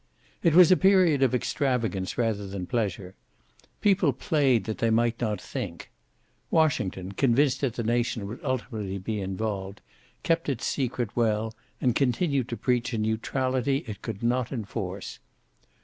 It was a period of extravagance rather than pleasure. People played that they might not think. Washington, convinced that the nation would ultimately be involved, kept its secret well and continued to preach a neutrality it could not enforce.